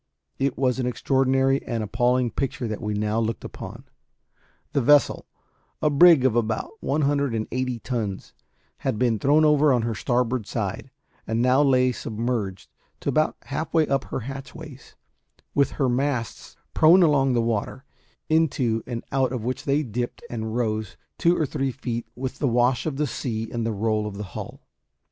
It was an extraordinary and appalling picture that we now looked upon. The vessel a brig of about one hundred and eighty tons had been thrown over on her starboard side, and now lay submerged to about halfway up her hatchways, with her masts prone along the water, into and out of which they dipped and rose two or three feet with the wash of the sea and the roll of the hull.